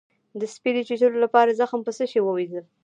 د سپي د چیچلو لپاره زخم په څه شی ووینځم؟